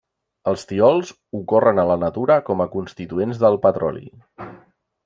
Els tiols ocorren a la natura com a constituents del petroli.